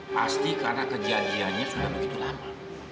pasti karena kejadiannya sudah begitu lama